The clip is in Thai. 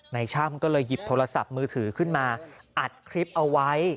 ช่ำก็เลยหยิบโทรศัพท์มือถือขึ้นมาอัดคลิปเอาไว้